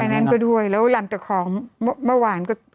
นั้นก็ด้วยแล้วหลังจากของเมื่อวานก็